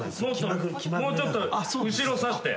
もうちょっと後ろさして。